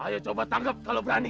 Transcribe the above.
ayo coba tangkap kalau berani